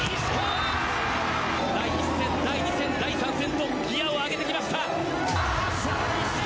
第１戦、第２戦、第３戦とギアを上げてきました。